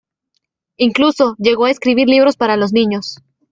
Incluso llegó a escribir libros para los niños.